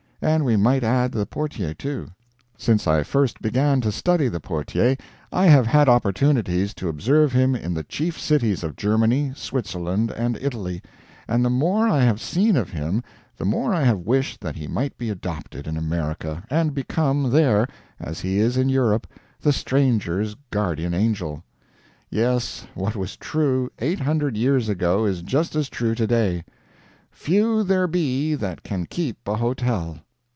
And we might add the portier, too. Since I first began to study the portier, I have had opportunities to observe him in the chief cities of Germany, Switzerland, and Italy; and the more I have seen of him the more I have wished that he might be adopted in America, and become there, as he is in Europe, the stranger's guardian angel. Yes, what was true eight hundred years ago, is just as true today: "Few there be that can keep a hotel."